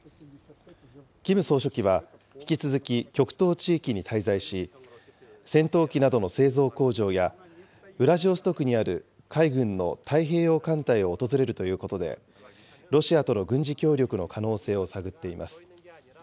キム総書記は引き続き極東地域に滞在し、戦闘機などの製造工場や、ウラジオストクにある海軍の太平洋艦隊を訪れるということで、ロシアとの軍事協力の可能性を探っています。